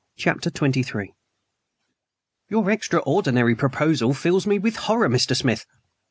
CHAPTER XXIII "YOUR extraordinary proposal fills me with horror, Mr. Smith!"